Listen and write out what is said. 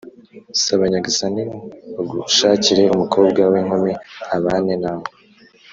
Saba nyagasani bagushakire umukobwa w’inkumi abane nawe